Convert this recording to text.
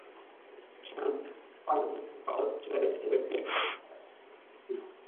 শান্ত শাহবাগ পার হতে থাকা অল্প কিছু গাড়ি থেমে গেল, পথচারীরা হকচকিত।